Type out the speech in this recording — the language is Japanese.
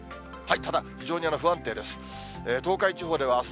ただ、非常に不安定です。